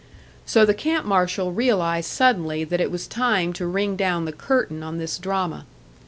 So the camp marshal realised suddenly that it was time to ring down the curtain on this drama.